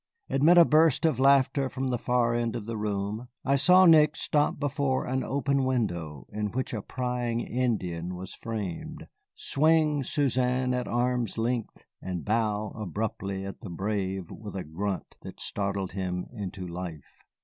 Amid a burst of laughter from the far end of the room I saw Nick stop before an open window in which a prying Indian was framed, swing Suzanne at arm's length, and bow abruptly at the brave with a grunt that startled him into life.